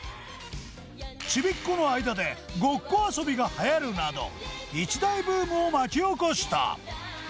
ちびっ子の間でごっこ遊びがはやるなど一大ブームを巻き起こした